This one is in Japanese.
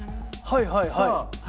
はいはいはい。